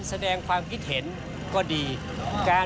ส่วนต่างกระโบนการ